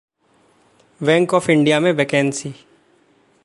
bank of India में vacancy